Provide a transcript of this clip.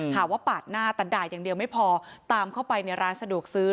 หาว่าปาดหน้าแต่ด่าอย่างเดียวไม่พอตามเข้าไปในร้านสะดวกซื้อ